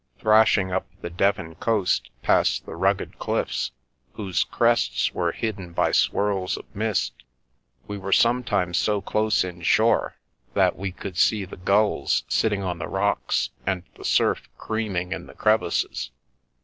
Thrashing up the Devon coast, past the rugged cliffs, whose crests were hidden by swirls of mist, we were sometimes so close in shore that we could see the gulls sitting on the rocks and the surf creaming in the crevices.